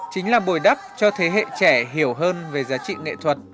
chính là bồi đắp cho thế hệ trẻ hiểu hơn về giá trị nghệ thuật